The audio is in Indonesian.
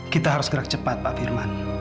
kita harus gerak cepat pak firman